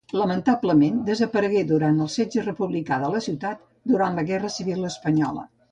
Lamentablement desaparegué durant el setge republicà de la ciutat durant la Guerra Civil espanyola